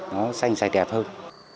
nó xanh xài đẹp hơn